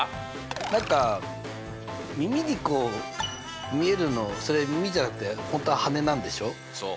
何か耳にこう見えるのそれ耳じゃなくて本当は羽なんでしょう？